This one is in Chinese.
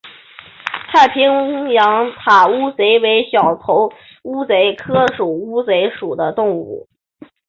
太平洋塔乌贼为小头乌贼科塔乌贼属的动物。